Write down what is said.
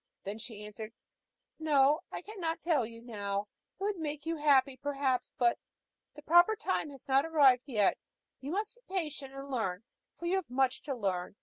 Then she answered: "No, I cannot tell you now. It would make you happy, perhaps, but the proper time has not yet arrived. You must be patient, and learn, for you have much to learn.